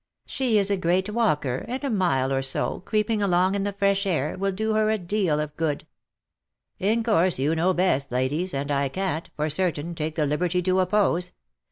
She is a great walker, and a mile or so, creeping along in the fresh air, will do her a deal of good," " In course you know best, ladies, and I can't, for certain, take the liberty to oppose.